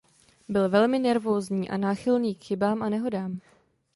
Byl velmi nervózní a náchylný k chybám a nehodám.